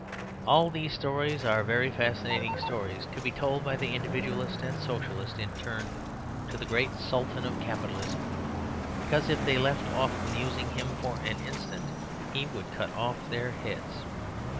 All these stories are very fascinating stories to be told by the Individualist and Socialist in turn to the great Sultan of Capitalism, because if they left off amusing him for an instant he would cut off their heads.